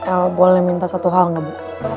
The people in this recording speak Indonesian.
el boleh minta satu hal gak bu